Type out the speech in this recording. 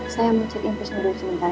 saya mau cek info sendiri sebentar ya